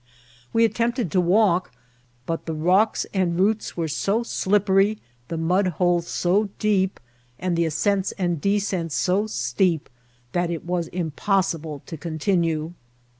We attempted to walk, but the rocks and roots were so slippery, the mudholes so deep, and the ascents and descents so steep, that it was impossible to continue.